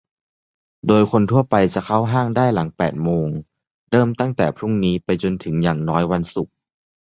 โดยคนทั่วไปจะเข้าห้างได้หลังแปดโมง เริ่มตั้งแต่พรุ่งนี้ไปจนถึงอย่างน้อยวันศุกร์